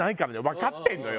わかってんのよ？